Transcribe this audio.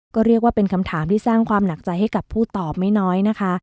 ก็เรียกว่าเป็นคำถามที่สร้างความหนักใจให้กับผู้ตอบไม่น้อยนะคะ